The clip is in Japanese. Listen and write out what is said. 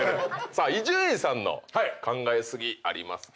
さあ伊集院さんの考え過ぎありますか？